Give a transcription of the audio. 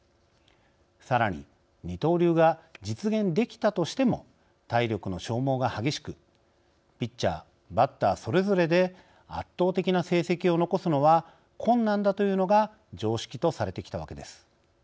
さらに二刀流が実現できたとしても体力の消耗が激しくピッチャー、バッターそれぞれで圧倒的な成績を残すのは困難だというのが常識とされてきたわけです。